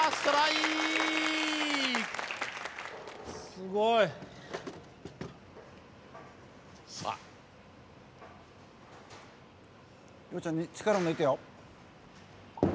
すごい！洋ちゃん力抜いてよ。